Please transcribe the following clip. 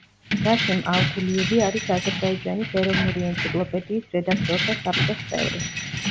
რასიმ ალგულიევი არის აზერბაიჯანის ეროვნული ენციკლოპედიის რედაქტორთა საბჭოს წევრი.